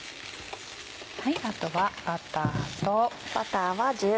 あとはバターと。